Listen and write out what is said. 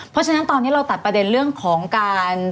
เพราะฉะนั้นตอนนี้เราตัดประเด็นเรื่องของการ